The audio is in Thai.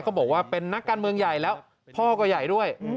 บอกว่าเป็นนักการเมืองใหญ่แล้วพ่อก็ใหญ่ด้วย